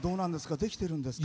できてるんですか？